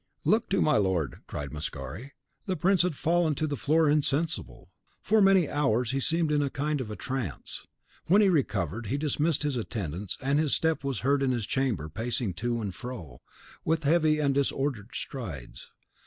"Look to my lord," cried Mascari. The prince had fallen to the floor insensible. For many hours he seemed in a kind of trance. When he recovered, he dismissed his attendants, and his step was heard in his chamber, pacing to and fro, with heavy and disordered strides.